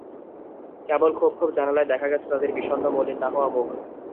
কেবল খোপ খোপ জানালায় দেখা গেছে তাঁদের বিষণ্ন, মলিন না-খাওয়া মুখ।